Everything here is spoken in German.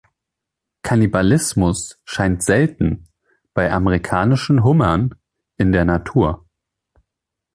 Kannibalismus scheint selten bei Amerikanischen Hummern in der Natur.